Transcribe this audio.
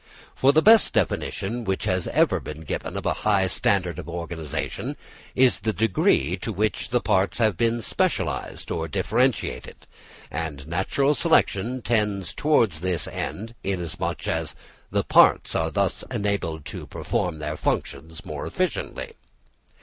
For the best definition which has ever been given of a high standard of organisation, is the degree to which the parts have been specialised or differentiated; and natural selection tends towards this end, inasmuch as the parts are thus enabled to perform their functions more efficiently.